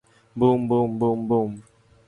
Broom, boom, boom, broom!